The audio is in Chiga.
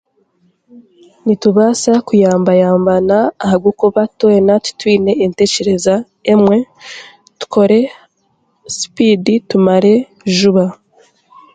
Nitubaasa kuyambayambana ahabwokuba twena titwine entekyereza emwe tukore sipiidi tumare juba